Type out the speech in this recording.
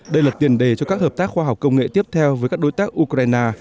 đây là tiền đề cho các hợp tác khoa học công nghệ tiếp theo với các đối tác ukraine